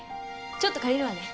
ちょっと借りるわね。